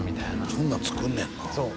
そんなん作んねんなそう